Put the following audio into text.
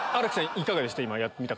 いかがでした？